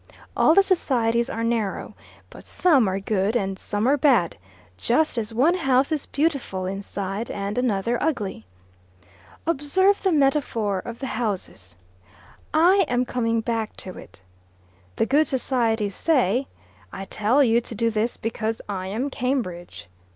All the societies are narrow, but some are good and some are bad just as one house is beautiful inside and another ugly. Observe the metaphor of the houses: I am coming back to it. The good societies say, `I tell you to do this because I am Cambridge.